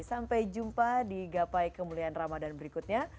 sampai jumpa di gapai kemuliaan ramadan berikutnya